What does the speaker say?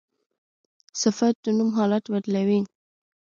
صفت د نوم حالت بدلوي.